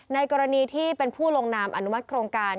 กรณีที่เป็นผู้ลงนามอนุมัติโครงการ